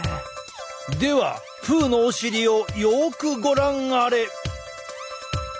ではプーのお尻をよくご覧あれ。